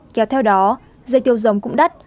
kéo theo đó dây tiêu giống cũng đắt